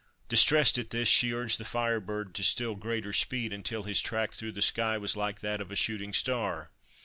Distressed at this, she urged the Fire Bird to still greater speed, until his track through the sky was like that of a shooting star.